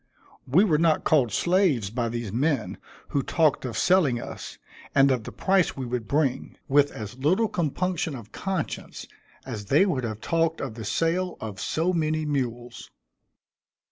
We were not called slaves by these men, who talked of selling us, and of the price we would bring, with as little compunction of conscience as they would have talked of the sale of so many mules.